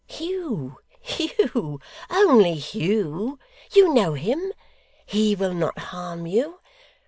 'Hugh Hugh. Only Hugh. You know him. HE will not harm you.